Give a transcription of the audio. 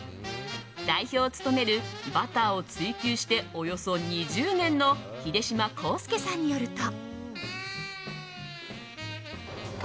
代表を務めるバターを追求しておよそ２０年の秀島康右さんによると。